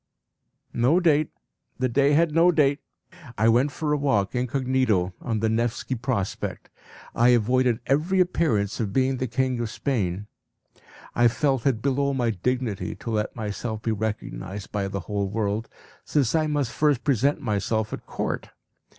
No date. The day had no date. I went for a walk incognito on the Nevski Prospect. I avoided every appearance of being the king of Spain. I felt it below my dignity to let myself be recognised by the whole world, since I must first present myself at court.